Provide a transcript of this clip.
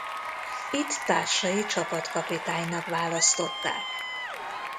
Itt társai csapatkapitánynak választották.